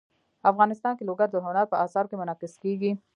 افغانستان کې لوگر د هنر په اثار کې منعکس کېږي.